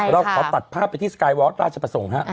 เราขอตัดภาพไปที่สกายวอลราชประสงค์ฮะ